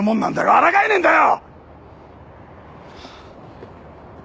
あらがえねえんだよ‼